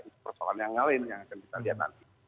itu persoalan yang lain yang akan kita lihat nanti